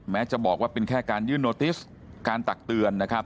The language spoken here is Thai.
แม้จะบอกว่าเป็นแค่การยื่นโนติสการตักเตือนนะครับ